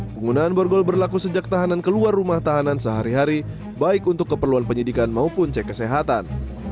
penggunaan borgol berlaku sejak tahanan keluar rumah tahanan sehari hari baik untuk keperluan penyidikan maupun cek kesehatan